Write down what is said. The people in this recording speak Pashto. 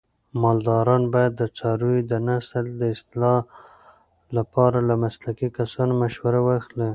مالداران باید د څارویو د نسل د اصلاح لپاره له مسلکي کسانو مشوره واخلي.